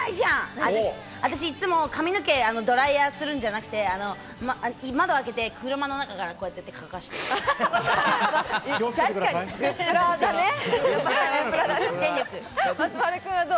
私、いつも髪の毛、ドライヤーするんじゃなくて窓を開けて車の中からこうやって乾かしてる。